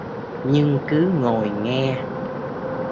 nhưng cứ ngồi nghe